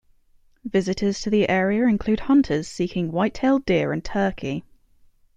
Visitors to the area include hunters seeking whitetail deer and turkey.